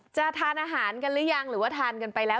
จะทานอาหารกันหรือยังหรือว่าทานกันไปแล้ว